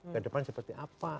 ke depan seperti apa